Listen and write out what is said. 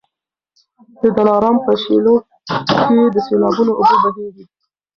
د دلارام په شېلو کي د سېلابونو اوبه بهیږي.